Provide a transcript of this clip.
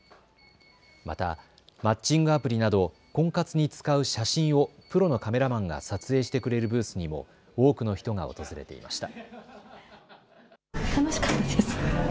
またマッチングアプリなど婚活に使う写真をプロのカメラマンが撮影してくれるブースにも多くの人が訪れていました。